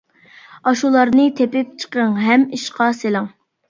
ئاشۇلارنى تېپىپ چىقىڭ ھەم ئىشقا سېلىڭ.